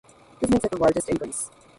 This makes it the largest in Greece.